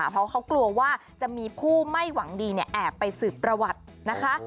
เพราะเขากลัวว่าจะมีผู้ไม่หวังดีแอบไปสืบประวัตินะคะ